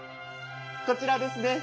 こちらですね。